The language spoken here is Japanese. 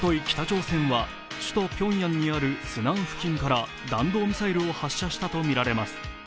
北朝鮮は首都ピョンヤンにあるスナン付近から弾道ミサイルを発射したとみられます。